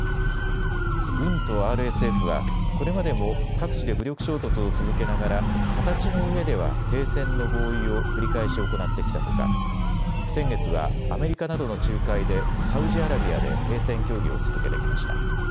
軍とＲＳＦはこれまでも各地で武力衝突を続けながら形のうえでは停戦の合意を繰り返し行ってきたほか先月はアメリカなどの仲介でサウジアラビアで停戦協議を続けてきました。